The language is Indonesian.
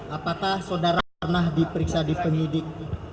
apakah saudara pernah diperiksa di penyidik